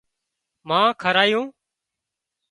مانه کارايون